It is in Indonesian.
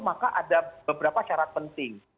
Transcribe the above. maka ada beberapa syarat penting